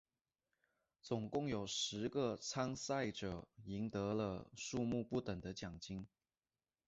总共有十个参赛者赢得了数目不等的奖金。